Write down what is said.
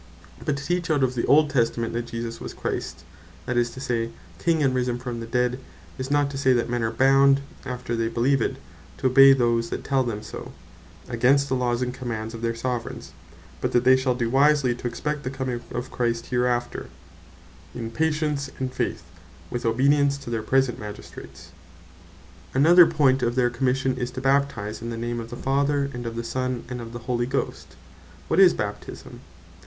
But to teach out of the Old Testament that Jesus was Christ, (that is to say, King,) and risen from the dead, is not to say, that men are bound after they beleeve it, to obey those that tell them so, against the laws, and commands of their Soveraigns; but that they shall doe wisely, to expect the coming of Christ hereafter, in Patience, and Faith, with Obedience to their present Magistrates. To Baptize; Another point of their Commission, is to Baptize, "in the name of the Father, and of the Son, and of the Holy Ghost." What is Baptisme?